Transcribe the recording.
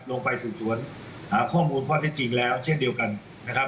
ลงไปสืบสวนหาข้อมูลข้อเท็จจริงแล้วเช่นเดียวกันนะครับ